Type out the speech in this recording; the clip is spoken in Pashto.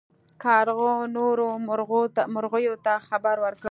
کارغه نورو مرغیو ته خبر ورکړ.